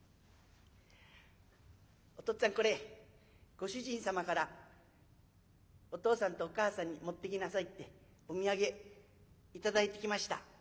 「お父っつぁんこれご主人様からお父さんとお母さんに持っていきなさいってお土産頂いてきました」。